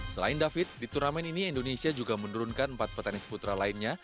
selain david di turnamen ini indonesia juga menurunkan empat petenis putra lainnya